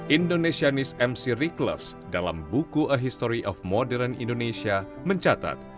indonesianis mc rick loves dalam buku a history of modern indonesia mencatat